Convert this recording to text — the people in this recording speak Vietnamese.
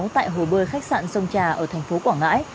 tại hồ bơi khách sạn sông trà ở thành phố quảng ngãi